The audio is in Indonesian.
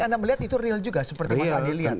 tapi anda melihat itu real juga seperti masalah dilihat